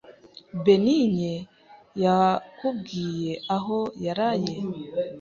Benigne yakubwiye aho yaraye?